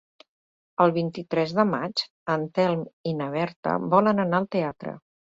El vint-i-tres de maig en Telm i na Berta volen anar al teatre.